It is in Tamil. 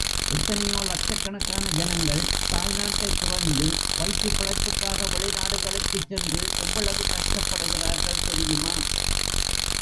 எத்தனையோ லக்ஷக்கணக்கான ஜனங்கள் தாய் நாட்டைத் துறந்து வயிற்றுப் பிழைப்புக்காக வெளி நாடுகளுக்குச் சென்று எவ்வளவு கஷ்டப்படுகிறார்கள் தெரியுமா?